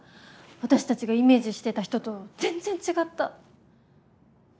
私たちがイメージしてた人と全然違った！